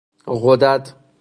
غدد